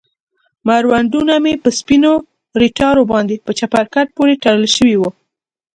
مړوندونه مې په سپينو ريتاړو باندې په چپرکټ پورې تړل سوي وو.